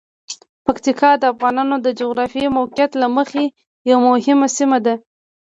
پکتیکا د افغانانو د جغرافیايی موقعیت له مخې یوه مهمه سیمه ده.